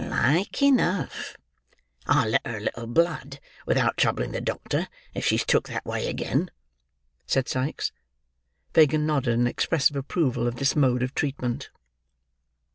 "Like enough." "I'll let her a little blood, without troubling the doctor, if she's took that way again," said Sikes. Fagin nodded an expressive approval of this mode of treatment.